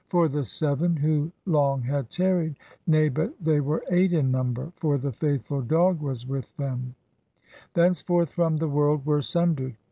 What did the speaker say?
For the seven, who long had tarried, — Nay, but they were eight in number. For the faithful dog was with them, — Thenceforth from the world were sundered.